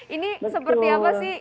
ini seperti apa sih